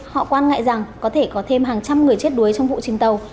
họ quan ngại rằng có thể có thêm hàng trăm người chết đuối trong vụ chìm tàu